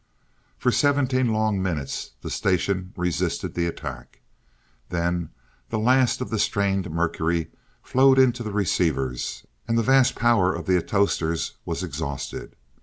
For seventeen long minutes the station resisted the attack. Then the last of the strained mercury flowed into the receivers, and the vast power of the atostors was exhausted.